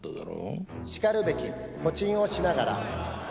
しかるべきホチンをしながら。